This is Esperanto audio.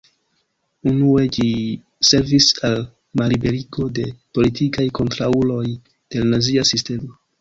Unue ĝi servis al malliberigo de politikaj kontraŭuloj de la nazia sistemo.